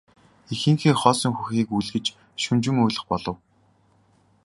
Эхийнхээ хоосон хөхийг үлгэж шөнөжин уйлах болов.